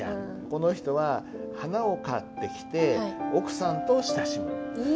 この人は花を買ってきて奥さんと親しむ。